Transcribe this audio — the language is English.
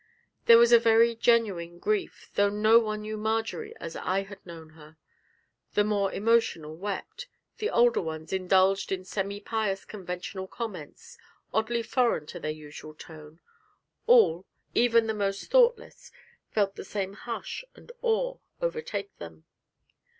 There was a very genuine grief, though none knew Marjory as I had known her; the more emotional wept, the older ones indulged in little semi pious conventional comments, oddly foreign to their usual tone; all even the most thoughtless felt the same hush and awe overtake them.